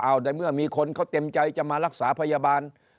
เอาแต่เมื่อมีคนเขาเต็มใจจะมารักษาพยาบาล